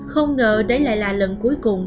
không ngờ đấy lại là lần cuối cùng